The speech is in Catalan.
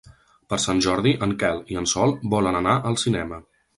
Per Sant Jordi en Quel i en Sol volen anar al cinema.